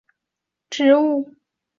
达乌里黄耆为豆科黄芪属的植物。